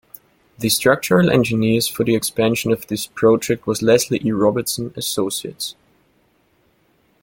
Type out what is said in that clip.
The structural engineers for the expansion of this project was Leslie E. Robertson Associates.